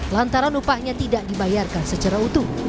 lantaran upahnya tidak dibayarkan secara utuh